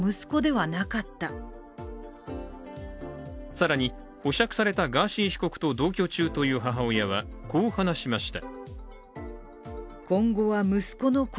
更に保釈されたガーシー被告と同居中という母親は、こう話しました。